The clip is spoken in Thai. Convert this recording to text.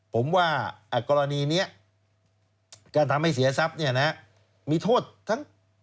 ผมว่ากรณีนี้การทำให้เสียทรัพย์เนี่ยนะมีโทษทั้ง